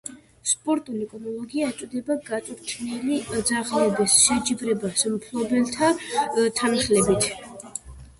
სპორტული კინოლოგია ეწოდება გაწვრთნილი ძაღლების შეჯიბრებას მფლობელთა თანხლებით.